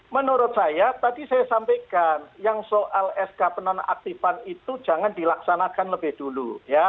menurut saya tadi saya sampaikan yang soal sk penonaktifan itu jangan dilaksanakan lebih dulu